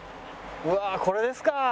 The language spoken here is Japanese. うわあこれですか！